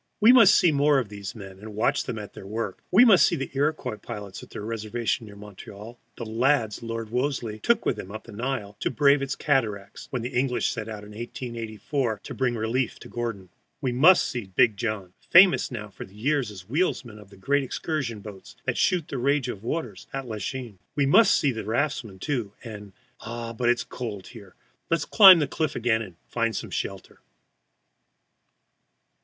We must see more of these men, and watch them at their work. We must see the Iroquois pilots at their reservation near Montreal, the lads Lord Wolseley took with him up the Nile to brave its cataracts, when the English set out, in 1884, to bring relief to Gordon. We must see "Big John," famous now for years as wheelsman of the great excursion boats that shoot the rage of waters at Lachine. We must see the raftsmen, too, and ah, but it is cold here! let us climb the cliff again and find some shelter.